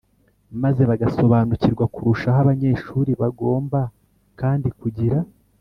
maze bagasobanukirwa kurushaho. abanyeshuri bagomba kandi kugira